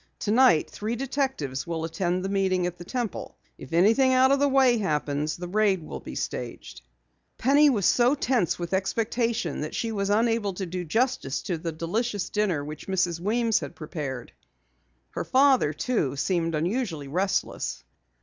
Tonight three detectives will attend the meeting at the Temple. If anything out of the way happens, the raid will be staged." Penny was so tense with expectation that she was unable to do justice to the delicious dinner which Mrs. Weems had prepared. Her father, too, seemed unusually restless.